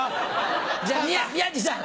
じゃあ宮治さん。